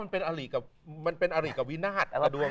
เพราะมันเป็นอาริกวินาศ